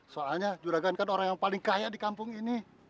soalnya juragan kan orang yang paling kaya di kampung ini